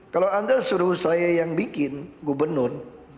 kalau anda suruh saya yang bikin gubernur